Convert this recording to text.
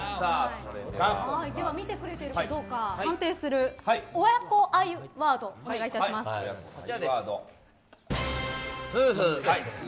見てくれてるかどうか判定する親子愛ワードをお願いします。